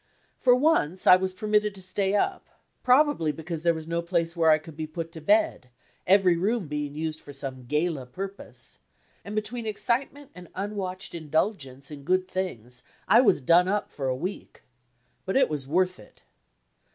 For once I was permitted to stay up, probably because there was no place where I could be put to bed, every room being used for some gala purpose, and between excitement and unwatched indulgence in good things I was done up for a week. But it was worth it!